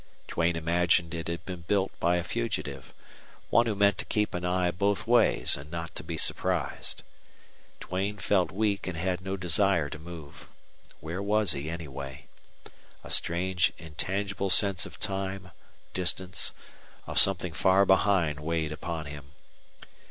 Duane imagined it had been built by a fugitive one who meant to keep an eye both ways and not to be surprised. Duane felt weak and had no desire to move. Where was he, anyway? A strange, intangible sense of time, distance, of something far behind weighed upon him.